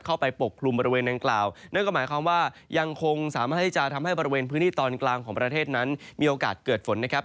ปกคลุมบริเวณดังกล่าวนั่นก็หมายความว่ายังคงสามารถที่จะทำให้บริเวณพื้นที่ตอนกลางของประเทศนั้นมีโอกาสเกิดฝนนะครับ